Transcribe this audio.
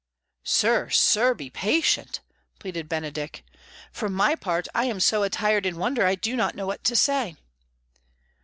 "Sir, sir, be patient!" pleaded Benedick. "For my part, I am so attired in wonder I do not know what to say."